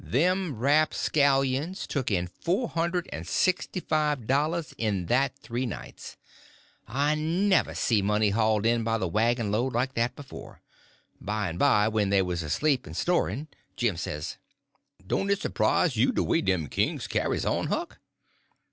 Them rapscallions took in four hundred and sixty five dollars in that three nights. I never see money hauled in by the wagon load like that before. By and by, when they was asleep and snoring, Jim says: "Don't it s'prise you de way dem kings carries on, Huck?"